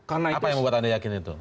apa yang membuat anda yakin itu